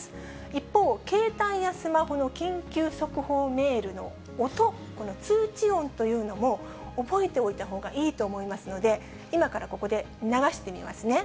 一方、携帯やスマホの緊急速報メールの音、この通知音というのも、覚えておいたほうがいいと思いますので、今からここで流してみますね。